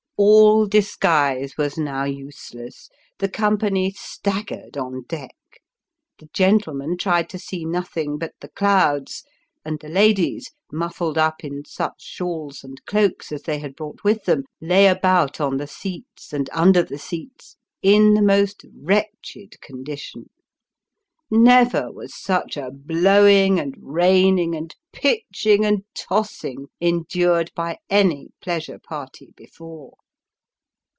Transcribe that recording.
All disguise was now useless ; the company staggered on deck ; the gentlemen tried to see nothing but the clouds ; and the ladies, muffled up in such shawls and cloaks as they had brought with them, lay about on the seats, and under the seats, in the most wretched con dition. Never was such a blowing, and raining, and pitching, and tossing, endured by any pleasure party before.